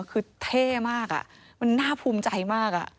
คือเท่มากมันน่าภูมิใจมาก